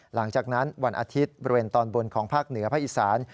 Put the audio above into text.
หลังจากนั้นวันอาทิตย์บริเวณตอนบนของภาคเหนือภาคอีสาน